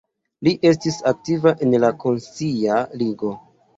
Li estis aktiva en la Konscia Ligo.